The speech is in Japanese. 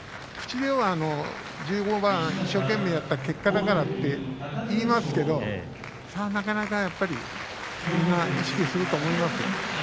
口では１５番一生懸命やった結果だからと言いますけどそれはなかなかみんな意識すると思います。